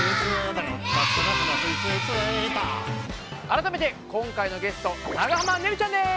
改めて今回のゲスト長濱ねるちゃんです！